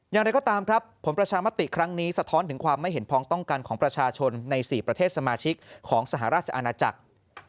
อย่างไรก็ตามครับผลประชามติครั้งนี้สะท้อนถึงความไม่เห็นพ้องต้องกันของประชาชนใน๔ประเทศสมาชิกของสหราชอาณาจักร